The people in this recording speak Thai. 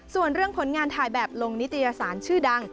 ส่วนเรื่องผลงานถ่ายแบบลงนิตยสารชื่อดัง